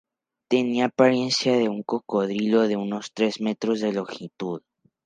Tenía apariencia de un cocodrilo de unos tres metros de longitud.